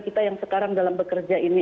kita yang sekarang dalam bekerja ini